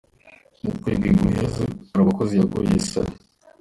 Mu kwezi guheze hari umukozi yaguhe isari».